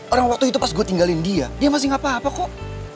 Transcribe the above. orang waktu itu pas gue tinggalin dia dia masih gak apa apa kok